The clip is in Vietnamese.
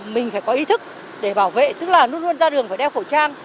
mình phải có ý thức để bảo vệ tức là luôn luôn ra đường phải đeo khẩu trang